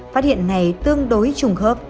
phát hiện này tương đối trùng hợp